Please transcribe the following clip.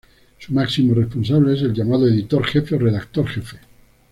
Su máximo responsable es el llamado editor jefe o redactor jefe.